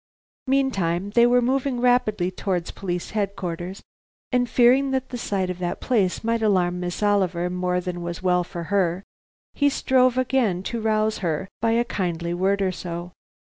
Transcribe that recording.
Meantime they were moving rapidly towards Police Headquarters, and fearing that the sight of that place might alarm Miss Oliver more than was well for her, he strove again to rouse her by a kindly word or so.